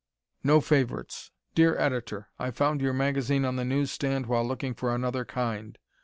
"No Favorites" Dear Editor: I found your magazine on the newsstand while looking for another kind.